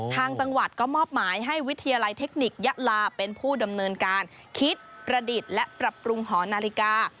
ทางจังหวัดก็มอบหมายให้วิทยาลัยเทคนิคยะลาเป็นผู้ดำเนินการคิดประดิษฐ์และปรับปรุงหอนาฬิกา